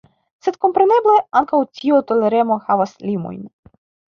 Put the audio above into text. Sed kompreneble ankaŭ tiu toleremo havas limojn.